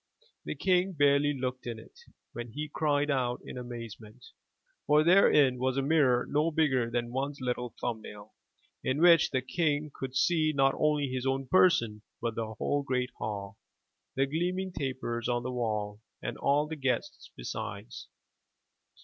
The king barely looked in it when he cried out in amazement, for therein was a mirror no bigger than one's little thumb nail, in which the King could see not only his own person, but the whole great hall, the gleaming tapers on the wall, and all the guests besides.